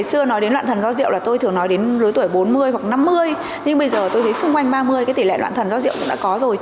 rượu là tôi thường nói đến lối tuổi bốn mươi hoặc năm mươi nhưng bây giờ tôi thấy xung quanh ba mươi cái tỷ lệ loạn thần do rượu cũng đã có rồi